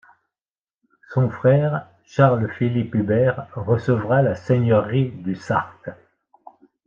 Son frère, Charles-Philippe-Hubert, recevra la seigneurie du Sart.